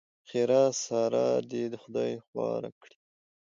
ښېرا؛ سار دې خدای خواره کړي!